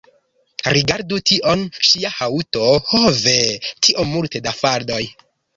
Rigardu tion; ŝia haŭto! ho ve! tiom multe da faldoj